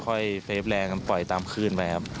ค่อยเฟฟแรงปล่อยตามคืนไปครับ